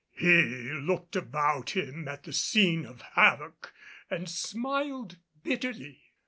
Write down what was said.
He looked about him at the scene of havoc, and smiled bitterly.